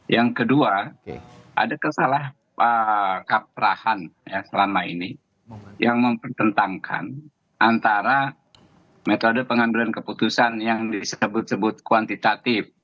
yang kedua ada kesalahparahan selama ini yang mempertentangkan antara metode pengambilan keputusan yang disebut sebut kuantitatif